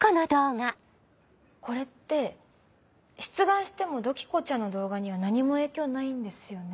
これって出願しても土器子ちゃんの動画には何も影響ないんですよね？